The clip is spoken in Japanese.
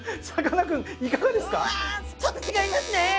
ちょっと違いますね。